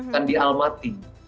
kan di almaty